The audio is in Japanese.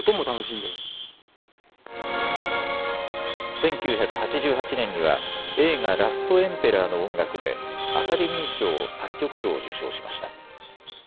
１９８８年には映画、ラストエンペラーの音楽でアカデミー賞作曲賞を受賞しました。